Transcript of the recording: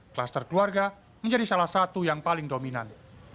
kluster keluarga menjadi salah satu yang paling dominan